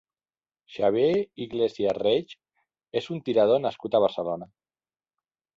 Xavier Iglesias Reig és un tirador nascut a Barcelona.